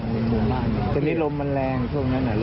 มันไม่ได้ทาดมันมากเอ็นอยู่ในบ้านเขา